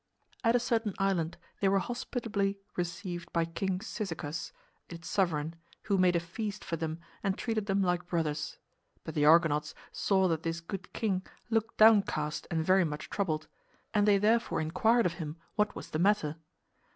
At a certain island they were hospitably received by King Cyzicus, its sovereign, who made a feast for them and treated them like brothers. But the Argonauts saw that this good king looked downcast and very much troubled, and they therefore inquired of him what was the matter.